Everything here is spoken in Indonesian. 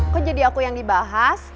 kok jadi aku yang dibahas